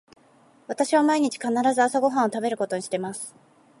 私は毎日必ず朝ご飯を食べることにしています。